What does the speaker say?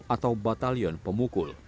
atau batalion pemukul